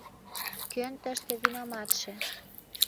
Кӧн тыште винаматше?